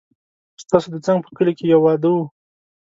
ستاسو د څنګ په کلي کې يو واده و